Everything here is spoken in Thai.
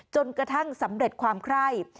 จนกระทั่งสำเร็จความไคร่